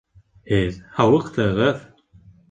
Һеҙ һауыҡтығыҙ